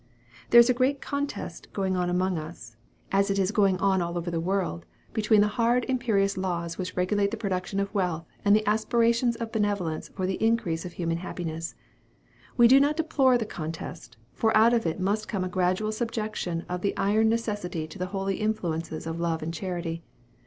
There is a contest going on amongst us, as it is going on all over the world, between the hard imperious laws which regulate the production of wealth and the aspirations of benevolence for the increase of human happiness. We do not deplore the contest; for out of it must come a gradual subjection of the iron necessity to the holy influences of love and charity.